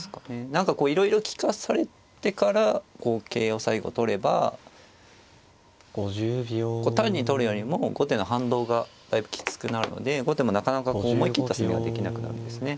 何かこういろいろ利かされてからこう桂を最後取れば単に取るよりも後手の反動がだいぶきつくなるので後手もなかなか思い切った攻めはできなくなるんですね。